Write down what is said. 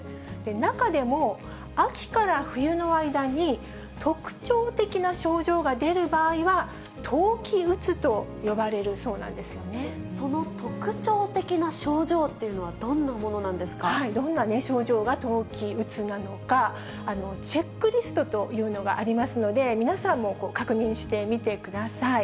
中でも秋から冬の間に、特徴的な症状が出る場合は、冬季うつと呼ばれるそうなんですその特徴的な症状っていうのは、どんな症状が冬季うつなのか、チェックリストというのがありますので、皆さんも確認してみてください。